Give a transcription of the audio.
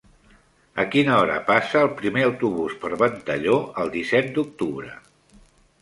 A quina hora passa el primer autobús per Ventalló el disset d'octubre?